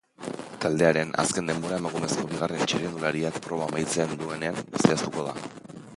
Taldearen azken denbora emakumezko bigarren txirrindulariak proba amaitzen duenean zehaztuko da.